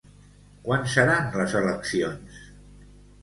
Quan seran les eleccions?